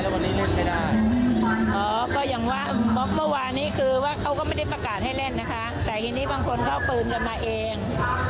เขาก็ไม่ได้ประกาศให้เล่นนะครับแต่ทีนี้บางคนเขาปืนกันมาเอง